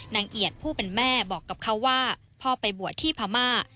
เอียดผู้เป็นแม่บอกกับเขาว่าพ่อไปบวชที่พม่า